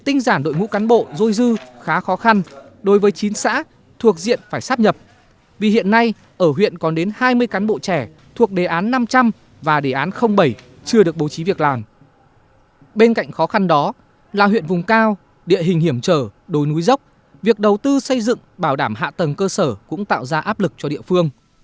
trong những cạnh khó khăn đó là huyện vùng cao địa hình hiểm trở đồi núi dốc việc đầu tư xây dựng bảo đảm hạ tầng cơ sở cũng tạo ra áp lực cho địa phương